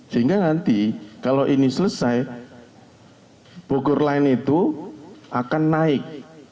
sehingga nanti kalau ini selesai bogor line itu akan naik